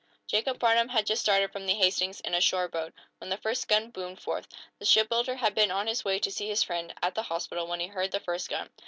Jacob Farnum had just started from the "Hastings," in a shore boat, when the first gun boomed forth. The shipbuilder had been on his way to see his friend, at the hospital, when he heard the first gun.